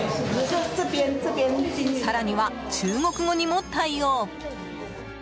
更には中国語にも対応。